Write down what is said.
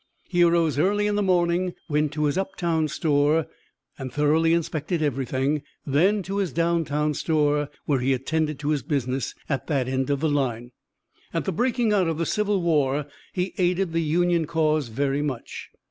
He arose early in the morning, went to his "up town" store, and thoroughly inspected everything; then to his "down town" store where he attended to his business at that end of the line. At the breaking out of the Civil War he aided the Union cause very much.